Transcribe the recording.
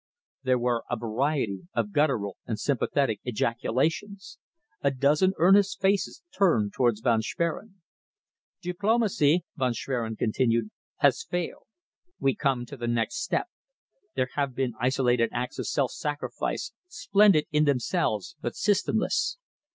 There were a variety of guttural and sympathetic ejaculations. A dozen earnest faces turned towards Von Schwerin. "Diplomacy," Von Schwerin continued, "has failed. We come to the next step. There have been isolated acts of self sacrifice, splendid in themselves but systemless.